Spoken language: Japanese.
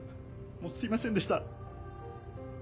もうすいませんでした。